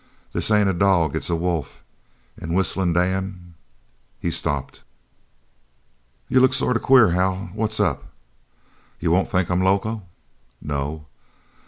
"This ain't a dog. It's a wolf. An' Whistlin' Dan " he stopped. "You look sort of queer, Hal. What's up?" "You won't think I'm loco?" "No."